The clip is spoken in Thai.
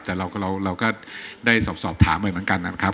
แต่เราก็ได้สอบถามไปเหมือนกันนะครับ